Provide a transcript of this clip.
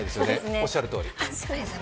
おっしゃるとおり。